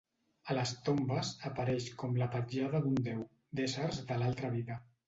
A les tombes, apareix com la petjada d'un déu, d'éssers de l'altra vida.